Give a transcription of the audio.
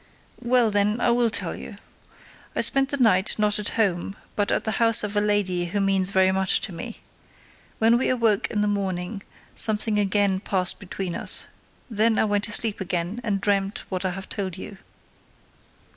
"Well, then, I will tell you. I spent the night, not at home, but at the house of a lady who means very much to me. When we awoke in the morning, something again passed between us. Then I went to sleep again, and dreamt what I have told you."